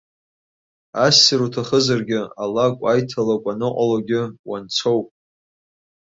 Ассир уҭахызаргьы, алакә, аиҭалакә аныҟалогьы уанцоуп!